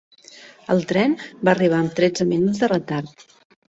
El tren va arribar amb tretze minuts de retard.